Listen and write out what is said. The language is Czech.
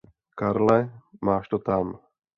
Karle, máš to tam.